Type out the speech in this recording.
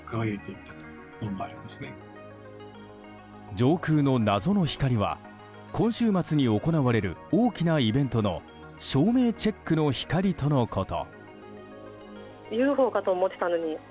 上空の謎の光は今週末に行われる大きなイベントの照明チェックの光とのこと。